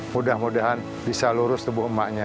mudah mudahan bisa lurus tubuh emaknya